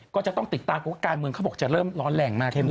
ก็จะต้องติดตามการเมืองเขาบอกจะเริ่มร้อนแรงมาก